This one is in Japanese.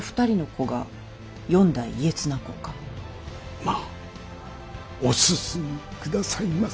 まぁお進み下さいませ。